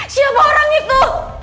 siapa orang itu